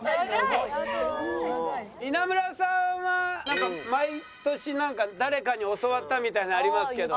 稲村さんは毎年なんか誰かに教わったみたいなのありますけど。